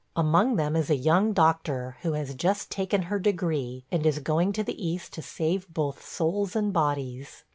Among them is a young doctor, who has just taken her degree, and is going to the East to save both souls and bodies.